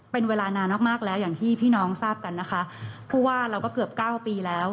เป็นเวลานานมากมากแล้วอย่างที่พี่น้องทราบกันนะคะผู้ว่าเราก็เกือบเก้าปีแล้ว